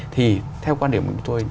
thì theo quan điểm của tôi